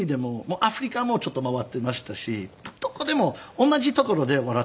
アフリカもちょっと回っていましたしどこでも同じところで笑っています。